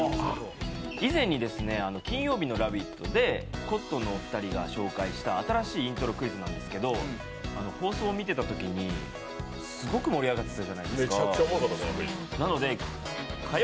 以前に金曜日の「ラヴィット！」でコットンのお二人が紹介した新しいイントロクイズなんですけど放送を見てたときにすごく盛り上がってたじゃないですか。